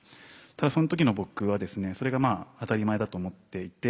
ただその時の僕はそれがまあ当たり前だと思っていて。